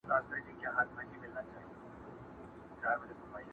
پوهېږم چي زما نوم به دي له یاده وي وتلی!!